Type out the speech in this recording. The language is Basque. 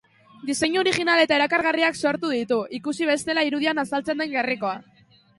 Diseinu orijinal eta erakargarriak sortu ditu, ikusi bestela irudian azaltzen den gerrikoa.